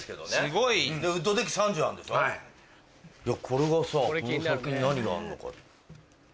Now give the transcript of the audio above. これがさこの先に何があるのか。